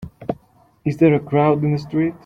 Is there a crowd in the street?